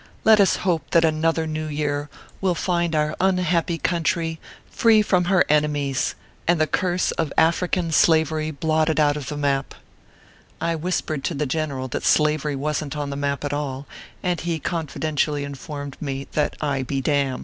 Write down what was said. Let us hope that another New Year will find our unhappy country free from her 168 ORPHEUS C. KERF. PAPERS. enemies, and the curse of African slavery blotted out of the map/ I whispered to the general that slavery wasn t on the map at all ; and he confidentially informed me, that I be dam.